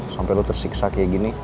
sampai lo tersiksa kayak gini